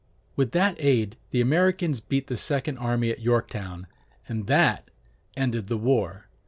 With that aid, the Americans beat the second army at Yorktown, and that ended the war.